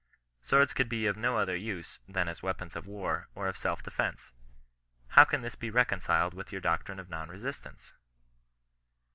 Swords could be of no other use, than as weapons of war, or of self defence. How can this be reconciled with your doctrine of non resistance